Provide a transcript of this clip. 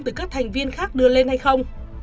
của thành viên khác đưa lên hay không